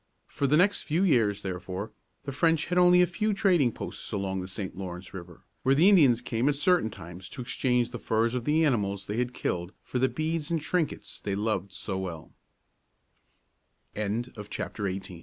For the next few years, therefore, the French had only a few trading posts along the St. Lawrence River, where the Indians came at certain times to exchange the furs of the animals they had killed for the beads and trinkets they loved so